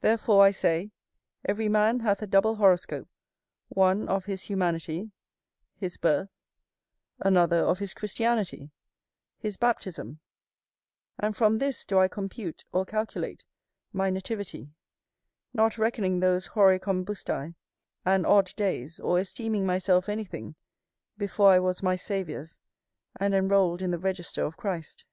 Therefore, I say, every man hath a double horoscope; one of his humanity, his birth, another of his Christianity, his baptism: and from this do I compute or calculate my nativity; not reckoning those horæ combustæ, and odd days, or esteeming myself anything, before I was my Saviour's and enrolled in the register of Christ.